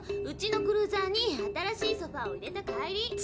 うちのクルーザーに新しいソファーを入れた帰り。